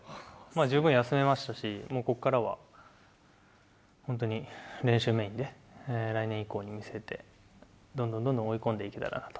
十分休めましたし、もうここからは、本当に練習メインで、来年以降を見据えて、どんどんどんどん追い込んでいけたらなと。